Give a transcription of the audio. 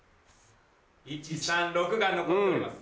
１３６が残っております。